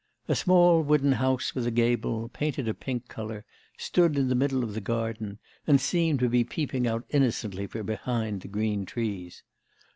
A small wooden house with a gable, painted a pink colour, stood in the middle of the garden, and seemed to be peeping out innocently from behind the green trees.